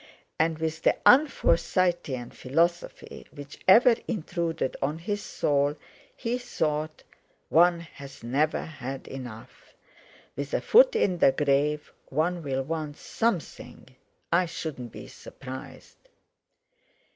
And with the un Forsytean philosophy which ever intruded on his soul, he thought: "One's never had enough. With a foot in the grave one'll want something, I shouldn't be surprised!"